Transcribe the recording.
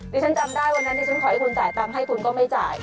ที่ฉันจำได้วันนั้นดิฉันขอให้คุณจ่ายตังค์ให้คุณก็ไม่จ่าย